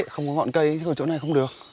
không có ngọn cây thế ở chỗ này không được